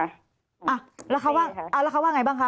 อ่ะแล้วเขาว่าเอาแล้วเขาว่าไงบ้างคะ